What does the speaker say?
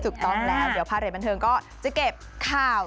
ถูกต้องแล้วเดี๋ยวพาเรทบันเทิงก็จะเก็บข่าว